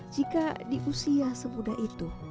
jika di usia semudah itu